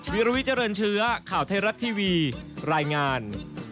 วิรวิเจริญเชื้อข่าวไทยรัฐทีวีรายงาน